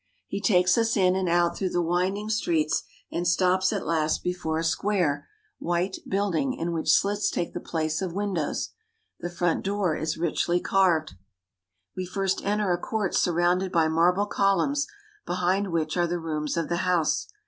He takes us in and out through the winding streets and stops at last before a square white building in which slits take the place of windows. The front door is richly carved. We first enter a court surrounded by marble columns, behind which are the rooms of the house.